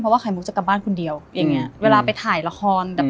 ว่าไข่มุกจะกลับบ้านคนเดียวอย่างเงี้ยเวลาไปถ่ายละครแบบ